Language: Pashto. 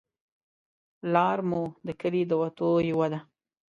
لار مو د کلي د وتو یوه ده